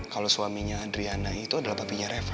kalau suaminya adriana itu adalah papinya revan